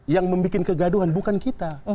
yang membuat kegaduhan bukan kita